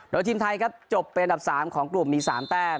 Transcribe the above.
โดยทีมไทยครับจบเป็นอันดับ๓ของกลุ่มมี๓แต้ม